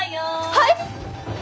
はい！？